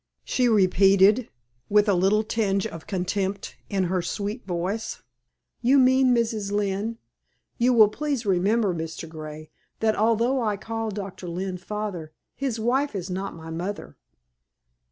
she repeated, with a little tinge of contempt in her sweet voice. "You mean Mrs. Lynne? You will please remember, Mr. Grey, that although I call Doctor Lynne father, his wife is not my mother."